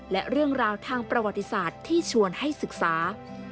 และเรื่องราวทางประวัติศาสตร์ที่ชวนให้ศึกษา